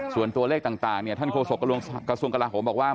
ส่วนตัวเลขต่างท่านโครโศกกระทรวงกระทรวงกระหล่าโขมบอกว่า